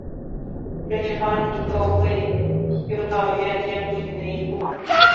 这是方济各会修道院建筑群的一部分。